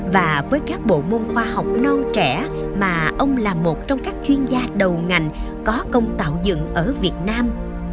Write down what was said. và với các bộ môn khoa học nông trẻ mà ông là một trong các chuyên gia đầu ngành có công tạo dựng ở việt nam